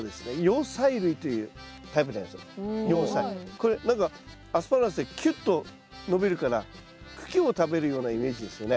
これアスパラガスってキュッと伸びるから茎を食べるようなイメージですよね。